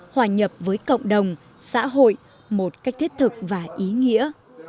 hòa nhập với cộng đồng xã hội một cách thiết thực và ý nghĩa